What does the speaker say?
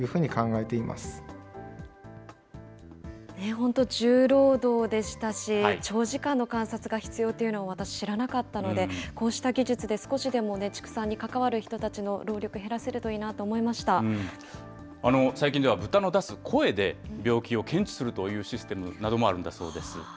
本当、重労働でしたし、長時間の観察が必要というのを私、知らなかったので、こうした技術で少しでも畜産に関わる人たちの労力減らせるといい最近では豚の出す声で、病気を検知するというシステムなどもあるんだそうです。